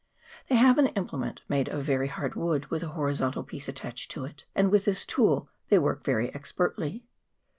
They have an imple ment made of very hard wood with a horizontal piece attached to it, and with this tool they work very expertly.